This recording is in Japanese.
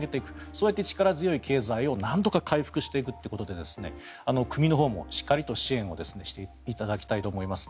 そうやって力強い経済をなんとか回復していくということで国のほうもしっかりと支援をしていただきたいと思います。